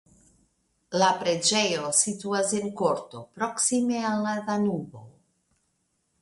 La preĝejo situas en korto proksime al la Danubo.